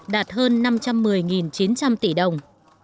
đạt hơn năm trăm một mươi chín trăm linh tỷ đồng